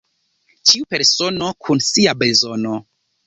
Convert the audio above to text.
Ĉiu persono kun sia bezono.